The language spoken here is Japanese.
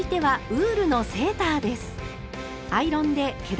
はい。